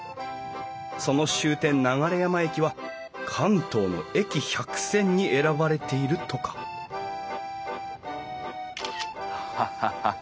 その終点流山駅は関東の駅百選に選ばれているとかハハハ。